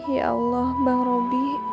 ya allah bang robi